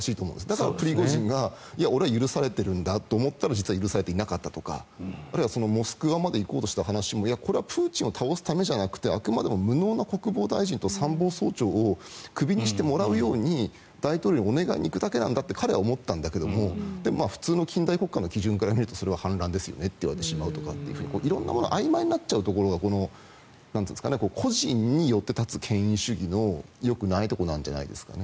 だからプリゴジンがいや、俺は許されているんだと思ったら実は許されていなかったとかモスクワまで行こうとした話もいや、これはプーチンを倒すためじゃなくてあくまでも無能な国防大臣と参謀総長をクビにしてもらうように大統領にお願いに行くだけなんだと彼は思ったんだけど普通の近代国家の基準からみるとそれは反乱ですよねと言われてしまうとか色んなものがあいまいになってしまうことがこの個人によって立つ権威主義のよくないところなんじゃないですかね。